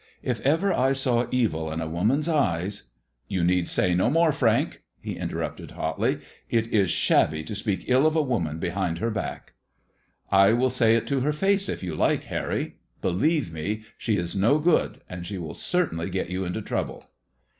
If ever I saw evil in a woman's eyes " You need say no more, Frank," he interrupted, hotly; " it is shabby to speak ill of a woman behind her back." I will say it to her face if you like, Harry, Believe me, she is no good, and she will certainly get you into trouble."